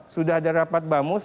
sudah ada rapat bamus